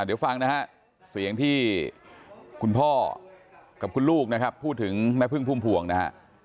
เดี๋ยวฟังนะครับเสียงที่คุณพ่อกับคุณลูกพูดถึงแม่พึ่งพุ่มพ่วงนะ